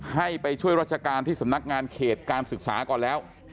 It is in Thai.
ให้ไปช่วยราชการที่สำนักงานเขตการศึกษาก่อนแล้ว